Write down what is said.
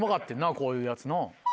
こういうやつな。